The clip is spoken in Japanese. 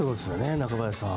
中林さん。